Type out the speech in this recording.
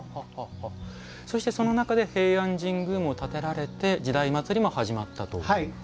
そして、その中で平安神宮も建てられて「時代祭」も始まったと。